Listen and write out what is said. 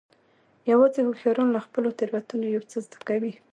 یوازې هوښیاران له خپلو تېروتنو یو څه زده کوي.